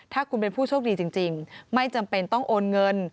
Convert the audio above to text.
ถ้าคุณเป็นผู้โชคดีจริงไม่จำเป็นต้องโอนเงิน